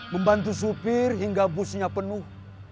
membantu supir hingga busnya penuh